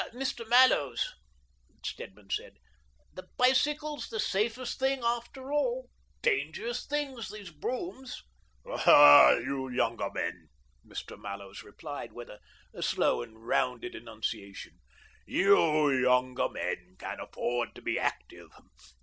"Ah, Mr. Mallows," Stedman said, " the bicycle's the safest thing, after all ! Dangerous things these broughams !" "Ah, you younger men," Mr. Mallows replied, with a slow and rounded enunciation, "you younger men can afford to be active.